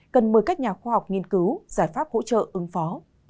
cần mời các nhà khoa học nghiên cứu giải pháp hỗ trợ ứng phó